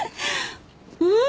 うん！